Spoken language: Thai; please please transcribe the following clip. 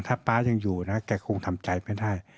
ถ้าป๊ายังอยู่นะคะเกรียร์คงทำใจไม่ได้